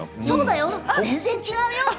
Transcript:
そうだよ全然違うよ。